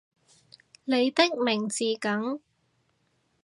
你的名字梗